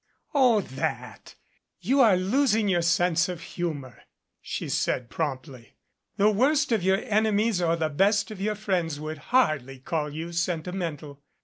"Oh, that ! You are losing your sense of humor," she said promptly. "The worst of your enemies or the best of your friends would hardly call you sentimental.